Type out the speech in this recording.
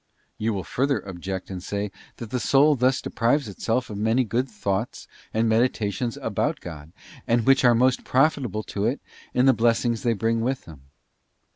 You will further object and say, that the soul thus de prives itself of many good thoughts and meditations about God, and which are most profitable to it in the blessings they bring with them.